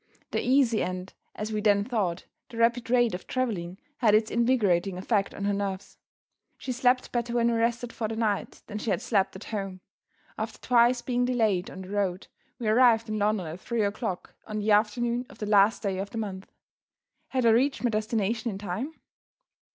The easy and (as we then thought) the rapid rate of traveling had its invigorating effect on her nerves. She slept better when we rested for the night than she had slept at home. After twice being delayed on the road, we arrived in London at three o'clock on the afternoon of the last day of the month. Had I reached my destination in time?